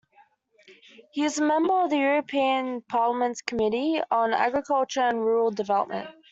He is a member of the European Parliament's Committee on Agriculture and Rural Development.